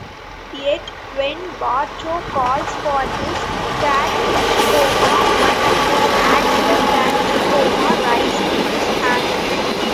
Yet when Batou calls for his Tachikoma only his actual Tachikoma raised its hand.